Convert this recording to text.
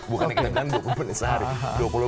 bukannya kita bilang dua puluh menit sehari